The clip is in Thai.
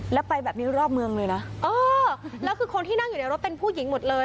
แล้วไปแบบนี้รอบเมืองเลยนะเออแล้วคือคนที่นั่งอยู่ในรถเป็นผู้หญิงหมดเลย